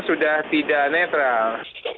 sudah tidak netral